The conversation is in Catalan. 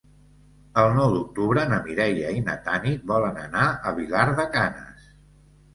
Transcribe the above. El nou d'octubre na Mireia i na Tanit volen anar a Vilar de Canes.